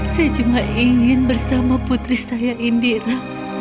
saya cuma ingin bersama putri saya indira